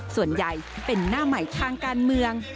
ส่วนใหญ่เป็นหน้าใหม่ทางการเมือง